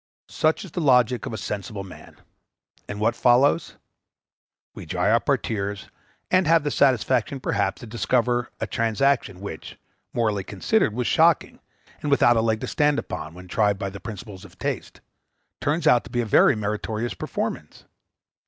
Such is the logic of a sensible man, and what follows? We dry up our tears, and have the satisfaction, perhaps, to discover that a transaction, which, morally considered, was shocking, and without a leg to stand upon, when tried by principles of Taste, turns out to be a very meritorious performance.